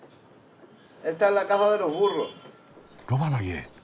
ロバの家。